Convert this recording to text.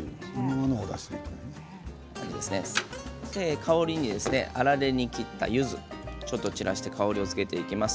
香りに粗めに切ったゆずをちょっと散らして香りをつけていきます。